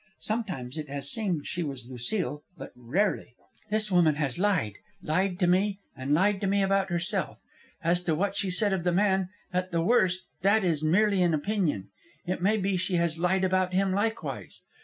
Sometimes it has seemed she was Lucile, but rarely. This woman has lied, lied to me, and lied to me about herself. As to what she said of the man, at the worst that is merely an opinion. It may be she has lied about him likewise.